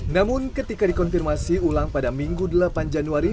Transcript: namun ketika dikonfirmasi ulang pada minggu delapan januari